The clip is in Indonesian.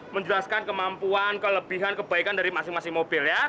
menjelaskan kemampuan kelebihan kebaikan dari masing masing mobil ya